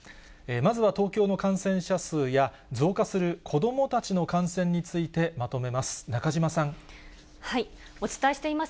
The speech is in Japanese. まずは東京の感染者数や、増加する子どもたちの感染についてまとめます。